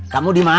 kamu di mana